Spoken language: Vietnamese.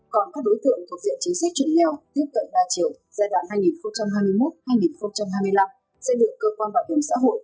còn các đối tượng thuộc diện chính sách chuẩn nghèo tiếp cận đa chiều giai đoạn hai nghìn hai mươi một hai nghìn hai mươi năm sẽ được cơ quan bảo hiểm xã hội